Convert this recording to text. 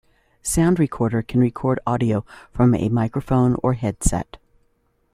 Sound Recorder can record audio from a microphone or headset.